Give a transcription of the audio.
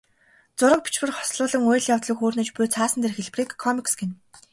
Зураг, бичвэр хослуулан үйл явдлыг хүүрнэж буй цаасан дээрх хэлбэрийг комикс гэнэ.